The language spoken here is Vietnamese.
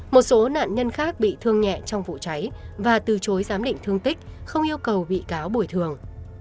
một số nạn nhân khác bị thương nhẹ trong vụ cháy và từ chối giám định thương tích không yêu cầu bị cáo bồi thường